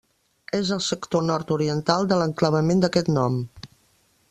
És al sector nord-oriental de l'enclavament d'aquest nom.